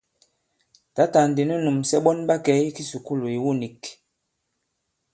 Tǎtà ndi nu nūmsɛ ɓɔn ɓa kɛ̀ i kisùkulù ìwu nīk.